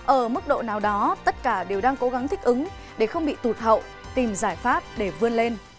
ở mức độ nào đó tất cả đều đang cố gắng thích ứng để không bị tụt hậu tìm giải pháp để vươn lên